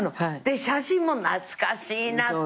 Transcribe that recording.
写真も「懐かしいな」